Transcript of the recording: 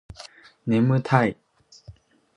ねむたい